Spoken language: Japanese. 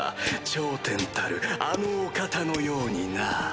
頂点たるあのお方のようにな。